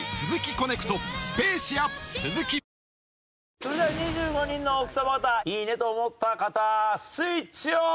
それでは２５人の奥さま方いいねと思った方スイッチオン！